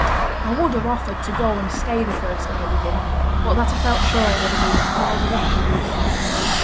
"I would have offered to go and stay the first night with him but that I felt sure it would have been a cause of offence.